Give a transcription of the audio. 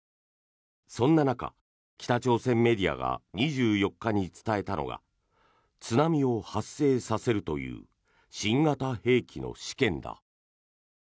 そんな中、北朝鮮メディアが２４日に伝えたのが津波を発生させるという新型兵器の試験だ。